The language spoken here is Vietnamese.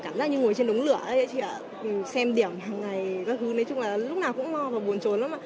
cảm giác như ngồi trên đống lửa xem điểm hàng ngày lúc nào cũng lo và buồn trốn lắm